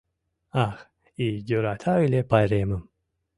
Ох, и йӧрата ыле пайремым.